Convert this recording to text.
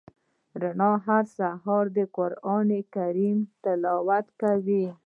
رڼا هر سهار د قران کریم تلاوت کوي.